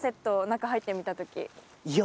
いや